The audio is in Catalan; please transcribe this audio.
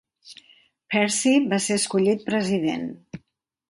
Percy va ser escollit president.